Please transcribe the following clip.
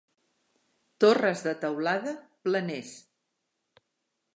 Torres de teulada planers.